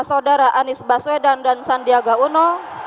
saudara anies baswedan dan sandiaga uno